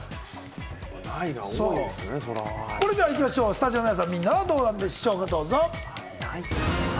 スタジオの皆さんはどうなんでしょうか、どうぞ。